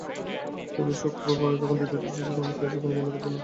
তবে শুক্রবার যখন তৃতীয় টেস্টটা শুরু হবে ইতিহাসের কোনোই মূল্য থাকবে না।